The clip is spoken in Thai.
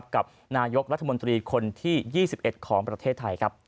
กับนายกรัฐมนตรีคนที่๒๑ของประเทศไทย